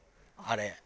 あれ。